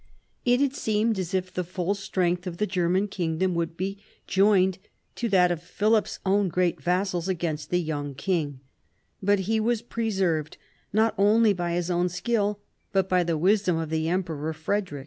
It had seemed as if the full strength of the German kingdom would be joined to that of Philip's own great vassals against the young king; but he was preserved not only by his own skill but by the wisdom of the Emperor Frederic.